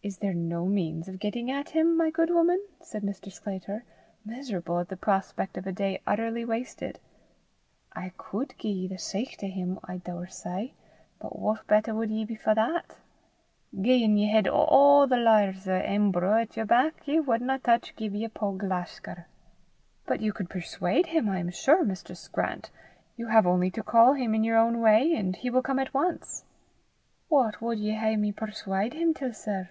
"Is there no means of getting at him, my good woman?" said Mr. Sclater, miserable at the prospect of a day utterly wasted. "I cud gie ye sicht o' 'im, I daursay, but what better wad ye be for that? Gien ye hed a' the lawyers o' Embrough at yer back, ye wadna touch Gibbie upo' Glashgar." "But you could persuade him, I am sure, Mistress Grant. You have only to call him in your own way, and he will come at once." "What wad ye hae me perswaud him till, sir?